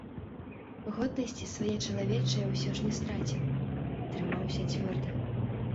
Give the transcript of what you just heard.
Годнасці свае чалавечае ўсё ж не страціў, трымаўся цвёрда.